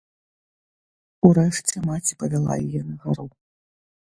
Урэшце маці павяла яе на гару.